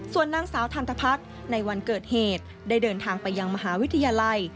ส่วนนางสาวทันทพัฒน์ในวันเกิดเหตุได้เดินทางไปยังมหาวิทยาลัย